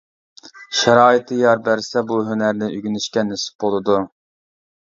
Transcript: شارائىتى يار بەرسە بۇ ھۈنەرنى ئۆگىنىشكە نېسىپ بولىدۇ.